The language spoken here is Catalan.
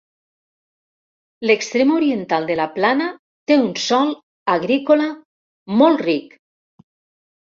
L'extrem oriental de la plana té un sòl agrícola molt ric.